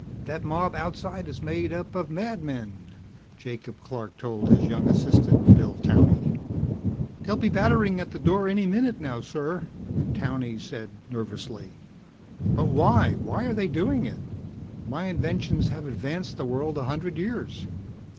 That mob outside is made up of madmen," Jacob Clark told his young assistant, Bill Towney. "They'll be battering at the door any minute now, sir," Towney said nervously. "But why? Why are they doing it? My inventions have advanced the world a hundred years.